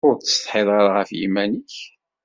Ur tessetḥiḍ ara ɣef yiman-ik?